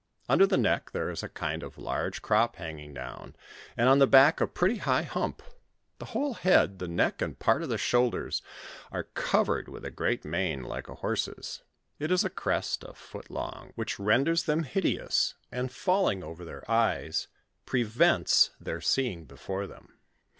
Under the neck there is a kind of large crop hanging down, and on the back a pretty high hump. The whole head, the neck, and part of the shoulders, are covered with a great mane like a horse's ; it is a crest a foot long, which renders them hideous, and falling over their eyes, prevents their seeing before them.